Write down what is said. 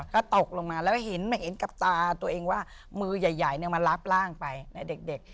ก็ตกลงมาแล้วเห็นไม่เห็นกับตาตัวเองว่ามือใหญ่มารับร่างไปในเด็ก